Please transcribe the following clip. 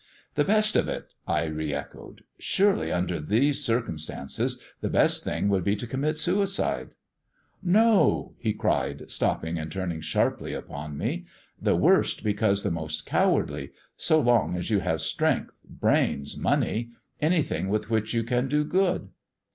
"The best of it!" I re echoed. "Surely, under these circumstances, the best thing would be to commit suicide?" "No," he cried, stopping and turning sharply upon me. "The worst, because the most cowardly; so long as you have strength, brains, money anything with which you can do good."